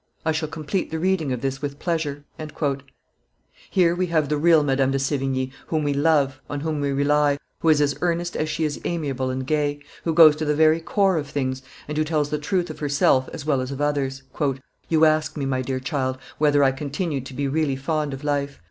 I shall complete the reading of this with pleasure." Here we have the real Madame de Sevigne, whom we love, on whom we rely, who is as earnest as she is amiable and gay, who goes to the very core of things, and who tells the truth of herself as well as of others. "You ask me, my dear child, whether I continue to be really fond of life.